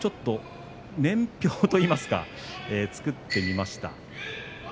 年表といいますか作ってみました。